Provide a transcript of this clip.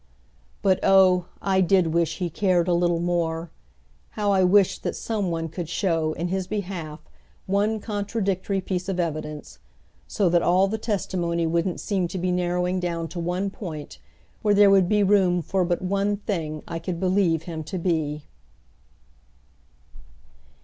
But oh, I did wish he cared a little more; how I wished that some one could show, in his behalf, one contradictory piece of evidence; so that all the testimony wouldn't seem to be narrowing down to one point where there would be room for but one thing I could believe him to be!